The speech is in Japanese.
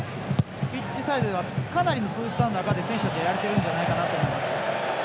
ピッチサイドではかなりの涼しさの中で選手たちはやれてるんじゃないかと思います。